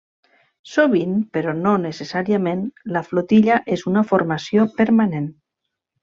Sovint, però no necessàriament, la flotilla és una formació permanent.